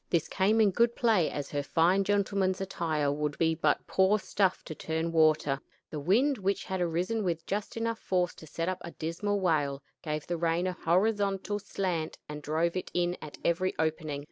This came in good play, as her fine gentleman's attire would be but poor stuff to turn the water. The wind, which had arisen with just enough force to set up a dismal wail, gave the rain a horizontal slant and drove it in at every opening.